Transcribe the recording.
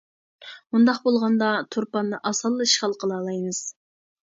مۇنداق بولغاندا تۇرپاننى ئاسانلا ئىشغال قىلالايمىز.